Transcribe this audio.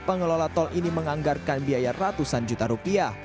pengelola tol ini menganggarkan biaya ratusan juta rupiah